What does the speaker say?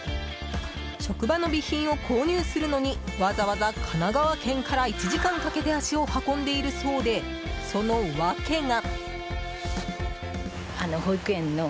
職場の備品を購入するのにわざわざ神奈川県から１時間かけて足を運んでいるそうでその訳が。